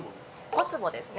５坪ですね